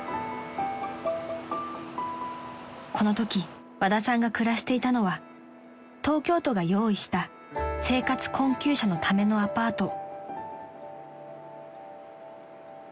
［このとき和田さんが暮らしていたのは東京都が用意した生活困窮者のためのアパート］